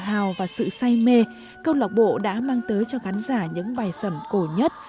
hào và sự say mê câu lạc bộ đã mang tới cho khán giả những bài sẩm cổ nhất